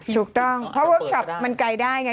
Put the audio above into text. ถูกต้องเพราะเวิร์คชอปมันไกลได้ไง